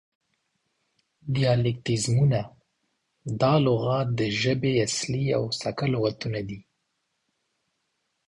دیالیکتیزمونه: دا لغات د ژبې اصلي او سکه لغتونه دي